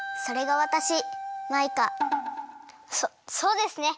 そそうですね。